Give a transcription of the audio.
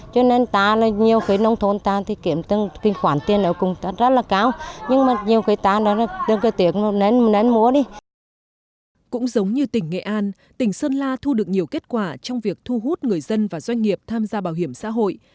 cũng giống như tỉnh nghệ an tỉnh sơn la thu được nhiều kết quả trong việc thu hút người dân và doanh nghiệp tham gia bảo hiểm xã hội